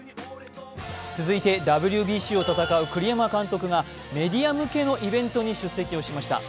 続いてＷＢＣを戦う栗山監督がメディア向けの会見に出席しました。